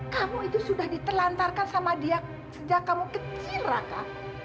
kamu itu sudah ditelantarkan sama dia sejak kamu kecil raka